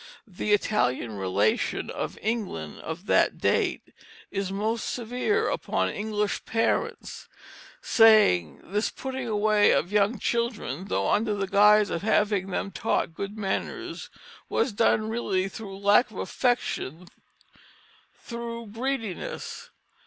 The Italian Relation of England, of that date, is most severe upon English parents, saying this putting away of young children, though under the guise of having them taught good manners, was done really through lack of affection, through greediness.